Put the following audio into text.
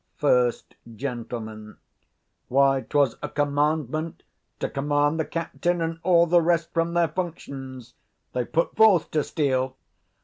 First Gent. Why, 'twas a commandment to command the captain and all the rest from their functions: they put forth to steal.